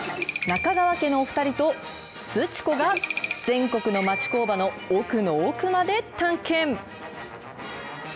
中川家のお２人と、すち子が全国の町工場の奥の奥まで探検。